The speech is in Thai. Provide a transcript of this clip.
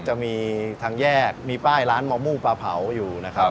จะมีทางแยกมีป้ายร้านเมามูปลาเผาอยู่นะครับ